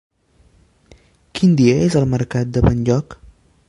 Quin dia és el mercat de Benlloc?